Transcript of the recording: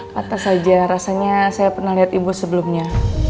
patah saja rasanya saya pernah lihat ibu sebelumnya